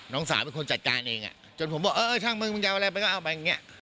น้องสาวเป็นคนจัดการเองจนผมบอกช่างมึงเอาอะไรไปก็เอาไป